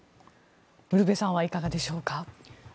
ウルヴェさんはいかがでしょうか。